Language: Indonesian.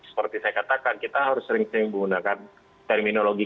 dan seperti saya katakan kita harus sering sering menggunakan terminologi